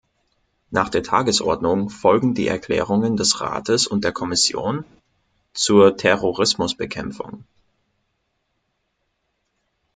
Nach der Tagesordnung folgen die Erklärungen des Rates und der Kommission zur Terrorismusbekämpfung.